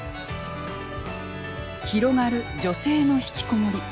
広がる女性のひきこもり。